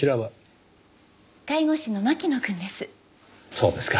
そうですか。